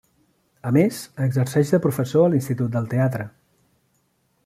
A més, exerceix de professor a l'Institut del Teatre.